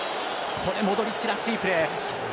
これもモドリッチらしいプレー。